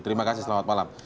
terima kasih selamat malam